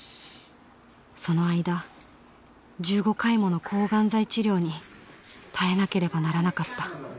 その間１５回もの抗がん剤治療に耐えなければならなかった。